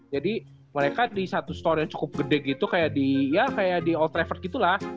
jadi mereka di satu store yang cukup gede gitu kayak di old trafford gitu lah